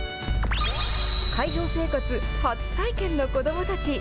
海上生活初体験の子どもたち。